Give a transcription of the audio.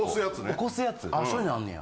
起こすやつね。